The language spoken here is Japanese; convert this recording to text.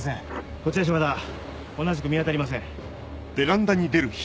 こちら島田同じく見当たりません。